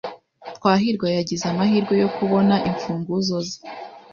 Twahirwa yagize amahirwe yo kubona imfunguzo ze.